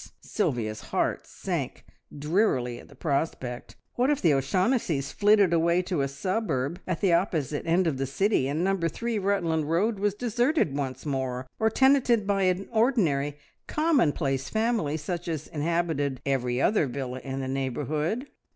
Sylvia's heart sank drearily at the prospect. What if the O'Shaughnessys flitted away to a suburb at the opposite end of the city, and Number Three, Rutland Road was deserted once more, or tenanted by an ordinary, commonplace family, such as inhabited every other villa in the neighbourhood!